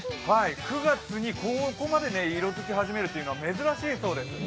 ９月にここまで色づき始めるというのは珍しいそうです。